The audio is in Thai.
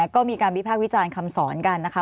ก็มีการวิพากษ์วิจารณ์คำสอนกันนะคะ